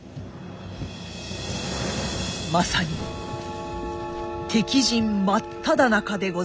まさに敵陣真っただ中でございましたが。